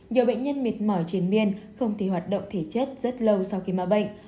nhiều bệnh nhân mệt mỏi triển miên không thể hoạt động thể chất rất lâu sau khi mắc bệnh